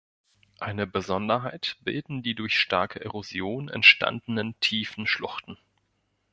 Eine Besonderheit bilden die durch starke Erosion entstandenen tiefen Schluchten.